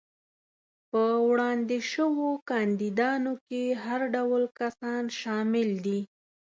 په وړاندې شوو کاندیدانو کې هر ډول کسان شامل دي.